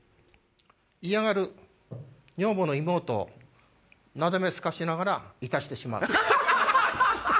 嫌がる女房の妹をなだめすかしながらいたしてしまう。